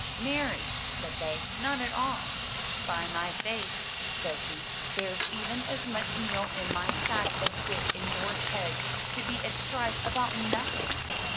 "Marry!" said they. "None at all!" "By my faith," says he. "There's even as much meal in my sack as wit in your heads, to be at strife about nothing!